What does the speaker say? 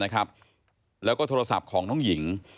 ในออฟและก็โทรศัพท์ของน้องหญิง